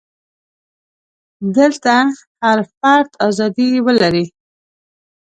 دلته هر فرد ازادي ولري.